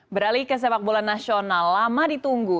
beralih ke sepak bola nasional lama ditunggu